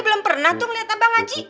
belum pernah tuh ngeliat abang ngaji